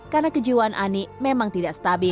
karena kejiwaan anik memang tidak stabil